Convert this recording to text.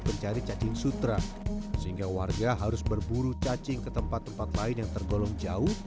pencari cacing sutra sehingga warga harus berburu cacing ke tempat tempat lain yang tergolong jauh